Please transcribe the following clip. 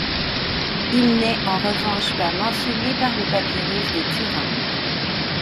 Il n'est en revanche pas mentionné par le papyrus de Turin.